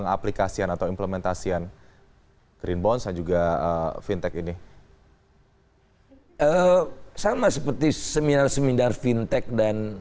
aplikasian atau implementasian green bonds dan juga fintech ini sama seperti seminar seminar fintech dan